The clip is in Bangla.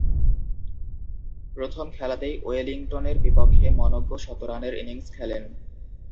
প্রথম খেলাতেই ওয়েলিংটনের বিপক্ষে মনোজ্ঞ শতরানের ইনিংস খেলেন।